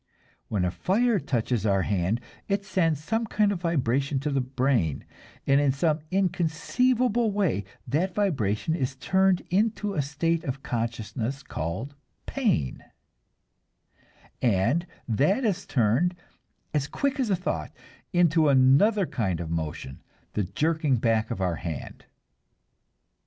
When fire touches our hand it sends some kind of vibration to the brain, and in some inconceivable way that vibration is turned into a state of consciousness called pain, and that is turned, "as quick as thought," into another kind of motion, the jerking back of our hand.